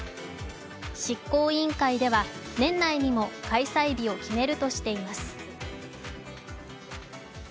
執行委員会では年内にも開催日を決めるとしています。